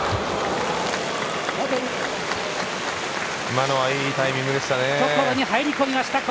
今のはいいタイミングでしたね。